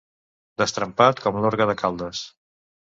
Destrempat com l'orgue de Caldes.